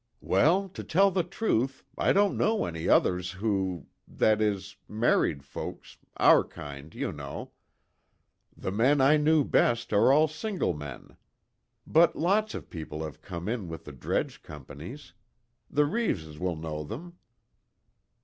"Well, to tell the truth, I don't know any others who that is, married folks, our kind, you know. The men I knew best are all single men. But, lots of people have come in with the dredge companies. The Reeves will know them."